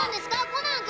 コナン君。